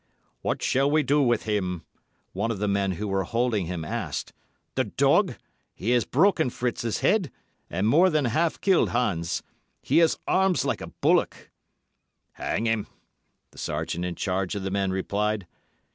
"What shall we do with him?" one of the men who were holding him asked. "The dog! He has broken Fritz's head, and more than half killed Hans. He has arms like a bullock." "Hang him," the sergeant in charge of the men replied.